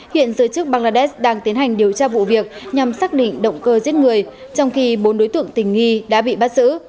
hiện giới chức bangladesh đang tiến hành điều tra vụ việc nhằm xác định động cơ giết người trong khi bốn đối tượng tình nghi đã bị bắt giữ